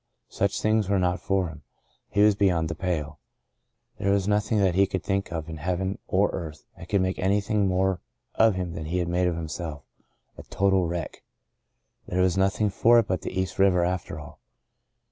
Such things were not for him. He was beyond the pale. There was nothing that he could think of in heaven or earth that could make anything more of him than he had made of himself — a total wreck. There was nothing for it but the East River after all.